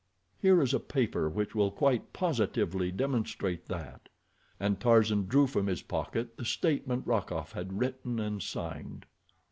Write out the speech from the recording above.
Here is a paper which will quite positively demonstrate that," and Tarzan drew from his pocket the statement Rokoff had written and signed.